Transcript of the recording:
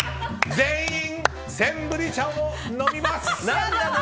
全員、センブリ茶を飲みます！